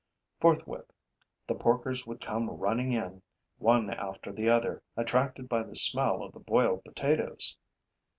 Forthwith, the porkers would come running in, one after the other, attracted by the smell of the boiled potatoes.